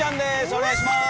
お願いします。